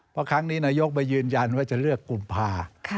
เพราะครั้งนี้นโยคมายืนยันว่าจะเลือกกลุ่มภาคค่ะ